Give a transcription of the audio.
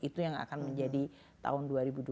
itu yang akan menjadi tahun